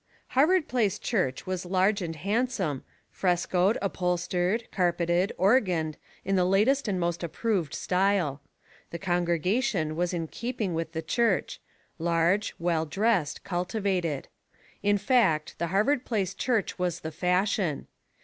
ARVARD PLACE CHURCH was large and handsome, frescoed, upholstered, car peted, organed, in the latest and most ap proved style. The congregation was in keeping with the church, large, well dressed, cultivated. In fact, the Harvard Place Church was the fashion.